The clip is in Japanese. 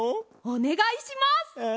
おねがいします。